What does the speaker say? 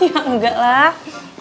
ya enggak lah